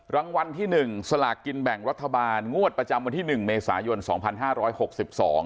รางวัลที่หนึ่งสลากกินแบ่งรัฐบาลงวดประจำวันที่หนึ่งเมษายนสองพันห้าร้อยหกสิบสอง